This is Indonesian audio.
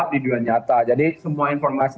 gelap di dunia nyata jadi semua informasi